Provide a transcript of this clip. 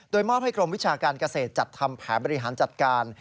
โดยมอบให้กรมวิชาการเกษตรจัดทำแผนบริหารจัดการ